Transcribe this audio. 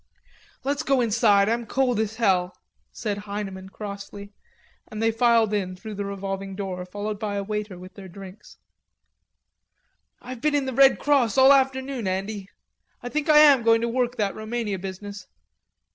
"Let's go inside. I'm cold as hell," said Heineman crossly, and they filed in through the revolving door, followed by a waiter with their drinks. "I've been in the Red Cross all afternoon, Andy.... I think I am going to work that Roumania business....